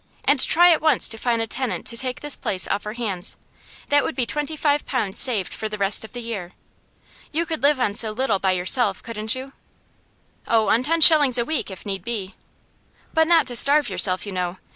And try at once to find a tenant to take this place off our hands; that would be twenty five pounds saved for the rest of the year. You could live on so little by yourself, couldn't you?' 'Oh, on ten shillings a week, if need be.' 'But not to starve yourself, you know.